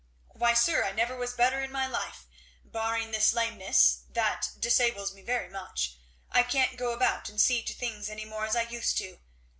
"Why, sir, I never was better in my life, barring this lameness, that disables me very much. I can't go about and see to things any more as I used to.